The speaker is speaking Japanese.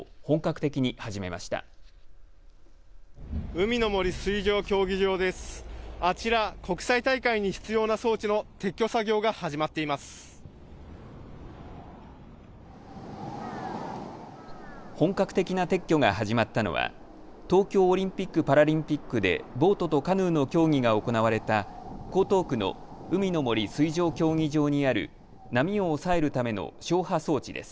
本格的な撤去が始まったのは東京オリンピック・パラリンピックでボートとカヌーの競技が行われた江東区の海の森水上競技場にある波を抑えるための消波装置です。